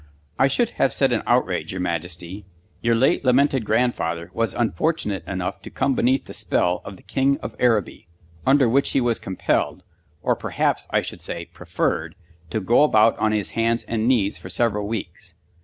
"I should have said an outrage, your Majesty. Your late lamented grandfather was unfortunate enough to come beneath the spell of the King of Araby, under which he was compelled or perhaps I should say preferred to go about on his hands and knees for several weeks.